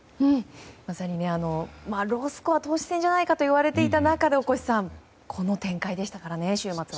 ロースコア投手戦じゃないかといわれていた中で大越さん、この展開でしたからこの週末は。